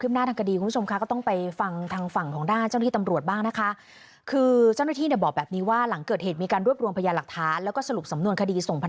อย่างที่เขาบอกมีการเยียวยงเยียวยาอย่างนี้